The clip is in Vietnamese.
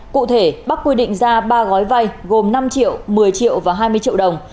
cụ thể bắc quy định ra ba gói vay gồm năm triệu một mươi triệu và hai mươi triệu đồng